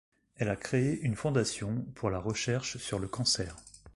Elle a créé une fondation pour la recherche sur le cancer.